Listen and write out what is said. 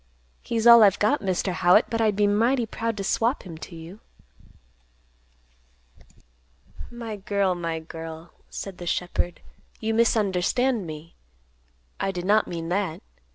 He's all I've got, Mr. Howitt. But I'd be mighty proud to swap him to you." "My girl, my girl," said the shepherd, "you misunderstand me. I did not mean that.